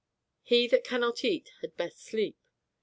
He that cannot eat had best sleep.